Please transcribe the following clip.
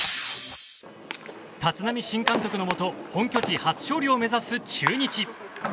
立浪新監督のもと本拠地初勝利を狙う中日。